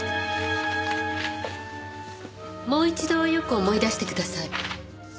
もう一度よく思い出してください。